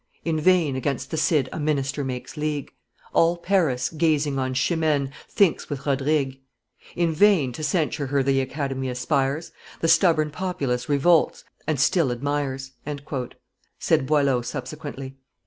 "In vain against the Cid a minister makes league; All Paris, gazing on Chimene, thinks with Rodrigue; In vain to censure her th' Academy aspires; The stubborn populace revolts and still admires; " said Boileau subsequently.